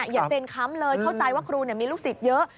อย่าเซ็นค้ำเลยเข้าใจว่าครูมีลูกศิษย์เยอะ